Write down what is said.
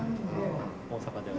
大阪では？